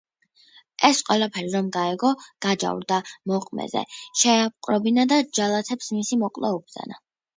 ეს ყველაფერი რომ გაიგო, გაჯავრდა მოყმეზე, შეაპყრობინა და ჯალათებს მისი მოკვლა უბრძანა.